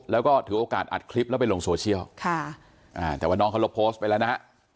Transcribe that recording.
แล้วก็ถือโอกาสอัดคลิปแล้วไปลงโซเชียลค่ะอ่าแต่ว่าน้องเขาลบโพสต์ไปแล้วนะฮะ